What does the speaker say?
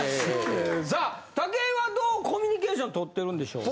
さあ武井はどうコミュニケーションとってるんでしょうか？